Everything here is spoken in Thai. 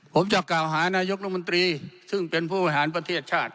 ผมจะกล่าวหานายกรมนตรีซึ่งเป็นผู้บริหารประเทศชาติ